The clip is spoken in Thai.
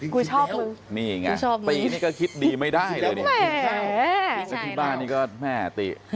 คือชอบมึงนี่แง่ไปนี่ก็คิดดีไม่ได้เห็นไหมเออพี่บ้านนี้ก็แมา่ออตรี